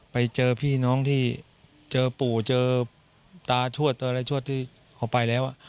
ไปเจอพี่น้องที่เจอปู่เจอตาชวดเจออะไรชวดที่เขาไปแล้ว